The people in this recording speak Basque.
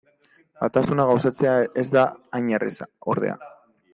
Batasuna gauzatzea ez da hain erraza, ordea.